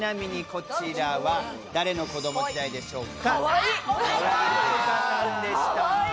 ちなみにこちらは誰の子供時代でしょうか？